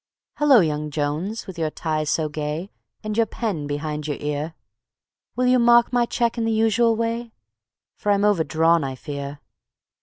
"Hullo, young Jones! with your tie so gay And your pen behind your ear; Will you mark my cheque in the usual way? For I'm overdrawn, I fear."